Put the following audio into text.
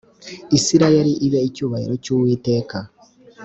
isirayeli xibe icyubahiro cy’uwiteka